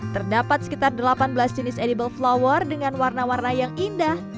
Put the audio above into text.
terdapat sekitar delapan belas jenis edible flower dengan warna warna yang indah